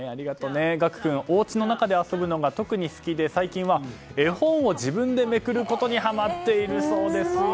岳君、おうちの中で遊ぶのが特に好きで最近は絵本を自分でめくることにはまっているそうですよ。